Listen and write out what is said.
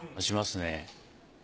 しますね。